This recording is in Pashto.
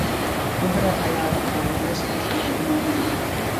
مدیره هیات د ورلسټ پېشنهادونه ونه منل.